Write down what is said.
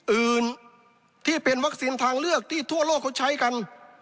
อื่นที่เป็นวัคซีนทางเลือกที่ทั่วโลกเขาใช้กัน